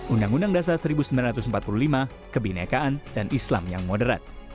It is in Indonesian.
undang undang dasar seribu sembilan ratus empat puluh lima kebinekaan dan islam yang moderat